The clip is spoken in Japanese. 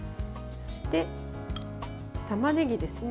そして、たまねぎですね。